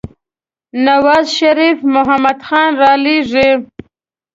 نوازشريف محمود خان رالېږي.